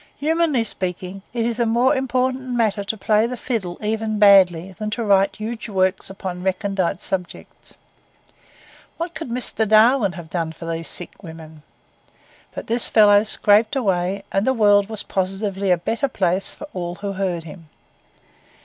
Humanly speaking, it is a more important matter to play the fiddle, even badly, than to write huge works upon recondite subjects. What could Mr. Darwin have done for these sick women? But this fellow scraped away; and the world was positively a better place for all who heard him.